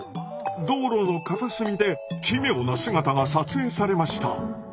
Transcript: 道路の片隅で奇妙な姿が撮影されました。